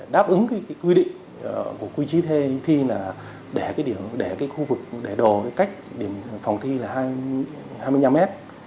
đáp ứng cái quy định của quy chế thi là để cái khu vực để đồ cách điểm phòng thi là hai mươi năm mét